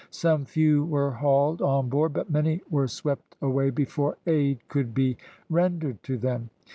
Some few were hauled on board, but many were swept away before aid could be rendered to them.